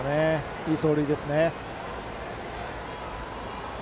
いい走塁です。